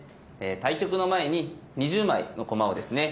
対局の前に２０枚の駒をですね